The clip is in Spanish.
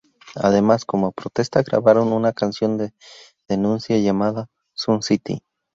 Además, como protesta grabaron una canción de denuncia llamada "Sun City".